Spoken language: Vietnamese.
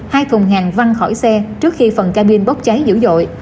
hai thùng hàng văng khỏi xe trước khi phần cabin bóp cháy dữ dội